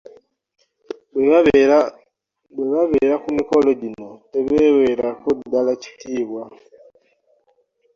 Bwe babeera ku mikolo gino tebeeweerako ddala kitiibwa